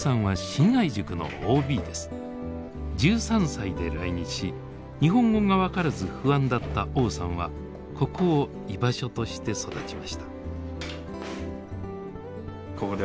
１３歳で来日し日本語が分からず不安だった王さんはここを居場所として育ちました。